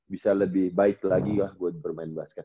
bisa lebih baik lagi lah gue bermain basket